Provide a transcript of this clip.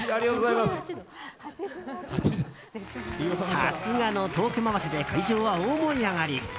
さすがのトーク回しで会場は大盛り上がり。